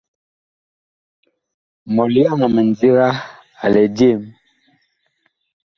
Mɔlyaŋ a mindiga a lɛ jem.